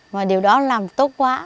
và điều đó làm tốt quá